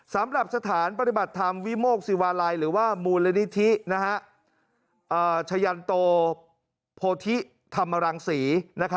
สำหรับสถานปฏิบัติธรรมวิโมกศิวาลัยหรือว่ามูลนิธิชยันโตโพธิธรรมรังศรี